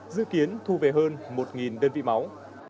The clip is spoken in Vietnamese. dự kiến thu về hơn một đơn vị máu